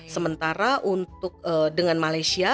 sementara untuk dengan malaysia